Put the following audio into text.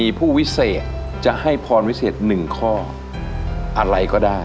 หูหนู